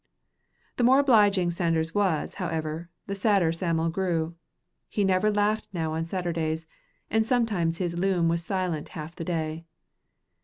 The more obliging Sanders was, however, the sadder Sam'l grew. He never laughed now on Saturdays, and sometimes his loom was silent half the day.